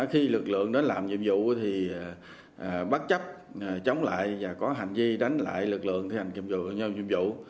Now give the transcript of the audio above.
khi lực lượng đến làm dụng vụ thì bất chấp chống lại và có hành vi đánh lại lực lượng thi hành dụng vụ